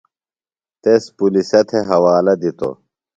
تس پُلِسہ تھےۡ حوالہ دِتوۡ۔